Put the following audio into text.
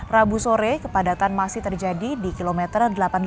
rabu sore kepadatan masih terjadi di kilometer delapan puluh lima